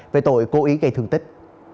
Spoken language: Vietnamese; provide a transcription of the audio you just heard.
về tội cố ý gây thương tích